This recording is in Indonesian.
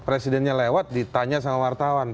presidennya lewat ditanya sama wartawan